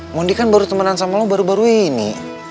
mundi kan baru temenan sama lo baru baru ini